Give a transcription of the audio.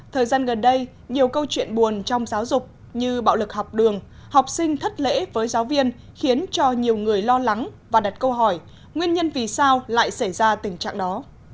thời gian gần đây nhiều câu chuyện buồn trong giáo dục như bạo lực học đường học sinh thất lễ với giáo viên khiến cho nhiều người lo lắng và đặt câu hỏi nguyên nhân vì sao lại xảy ra tình trạng đó